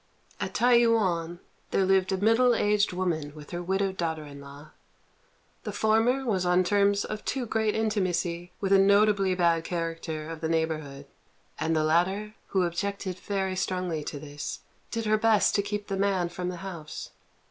At T'ai yüan there lived a middle aged woman with her widowed daughter in law. The former was on terms of too great intimacy with a notably bad character of the neighbourhood; and the latter, who objected very strongly to this, did her best to keep the man from the house.